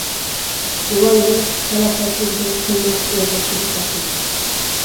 بوۋاي ھېلىقى تالاپەتتىن كېيىن قايماققا ئېغىز تېگىپ باقمىدى.